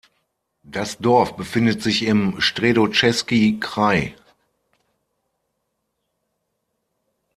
Das Dorf befindet sich im Středočeský kraj.